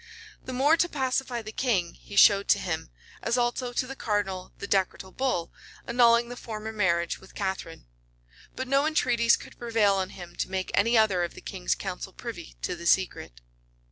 [* ]The more to pacify the king, he showed to him, as also to the cardinal the decretal bull, annulling the former marriage with Catharine; but no entreaties could prevail on him to make any other of the king's council privy to the secret.